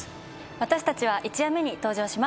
私たちは１夜目に登場します